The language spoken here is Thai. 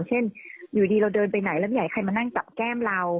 เช่นอยู่ดีเราเดินไปไหนแล้วไม่อยากให้ใครมานั่งจับแก้มเรา